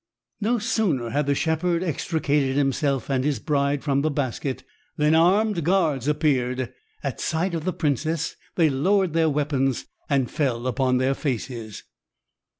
No sooner had the shepherd extricated himself and his bride from the basket, than armed guards appeared. At sight of the princess they lowered their weapons and fell upon their faces.